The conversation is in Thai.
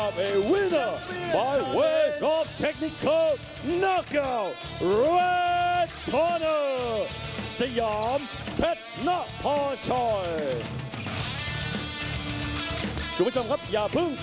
นี่คือชัมเปียร์โอชัมเปียร์ชัลเล่นด์